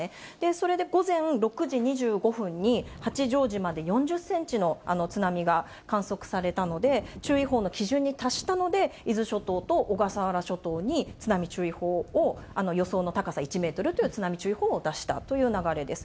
それで午前６時２５分に、八丈島で４０センチの津波が観測されたので、注意報の基準に達したので、伊豆諸島と小笠原諸島に津波注意報を、予想の高さ１メートルという津波注意報を出したという流れです。